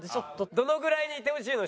どのぐらいにいてほしいの？